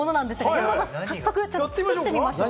山里さん、早速作ってみましょう。